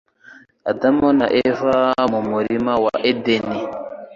Adamu na Eva mu murima wa Edeni